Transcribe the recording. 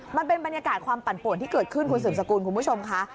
มันเป็นบรรยากาศความปั่นป่วนที่เกิดขึ้นคุณสืบสกุลคุณผู้ชมค่ะ